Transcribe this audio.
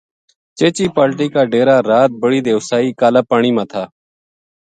چیچی پالٹی کا ڈیرا رات بڑی دیواسئی کالا پانی ما تھا